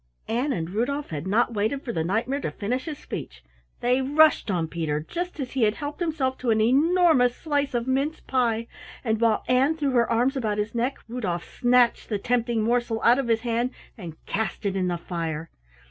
Ann and Rudolf had not waited for the Knight mare to finish his speech. They rushed on Peter, just as he had helped himself to an enormous slice of mince pie, and while Ann threw her arms about his neck, Rudolf snatched the tempting morsel out of his hand and cast it in the fire.